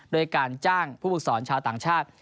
โดยการจ้างผู้ฝึกสอนชาวต่างชาติ